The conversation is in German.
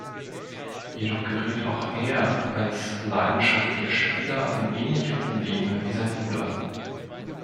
Jedoch gerät auch er als leidenschaftlicher Spieler in ähnliche Probleme wie sein Bruder.